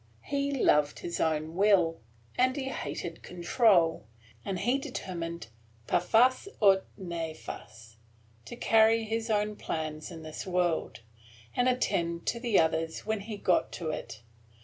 He loved his own will, and he hated control, and he determined, per fas aut nefas, to carry his own plans in this world, and attend to the other when he got to it.